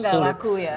jadi enggak laku ya